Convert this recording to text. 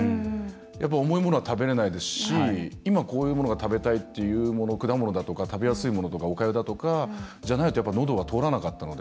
やっぱ、重いものは食べれないですし今、こういうものが食べたいっていうもの果物だとか食べやすいものとかおかゆだとかじゃないとのどは通らなかったので。